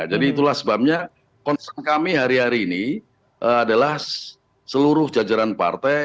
jadi itulah sebabnya konsep kami hari hari ini adalah seluruh jajaran partai